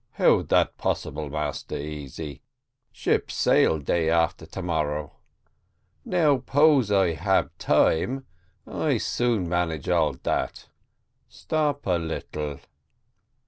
"How dat possible, Massa Easy? ship sail day after to morrow. Now 'pose I ab time, I soon manage all dat. Stop a little."